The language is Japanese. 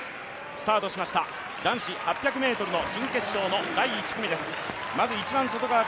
スタートしました、男子８００ｍ準決勝第１組。